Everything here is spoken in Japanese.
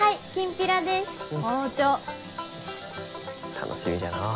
楽しみじゃのう。